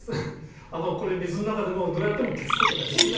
これ水の中でもどうやっても消すことができない。